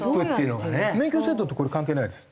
免許制度とこれ関係ないです。